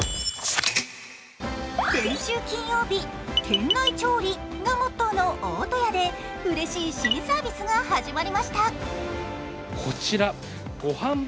先週金曜日、店内調理がモットーの大戸屋でうれしい新サービスが始まりました。